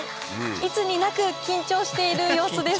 いつになく緊張している様子です